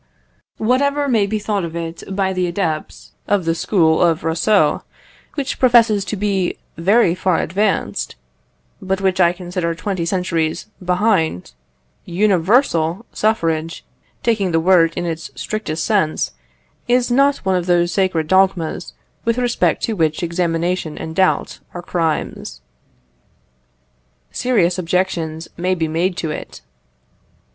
Whatever may be thought of it by the adepts of the school of Rousseau, which professes to be very far advanced, but which I consider twenty centuries behind, universal suffrage (taking the word in its strictest sense) is not one of those sacred dogmas with respect to which examination and doubt are crimes. Serious objections may be made to it.